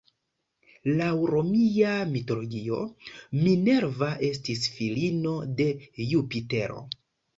Laŭ romia mitologio, Minerva estis filino de Jupitero.